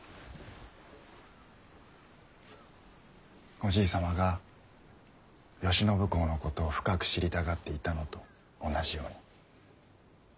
おじい様が慶喜公のことを深く知りたがっていたのと同じように。